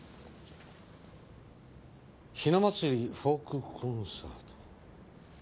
「ひな祭りフォークコンサート」。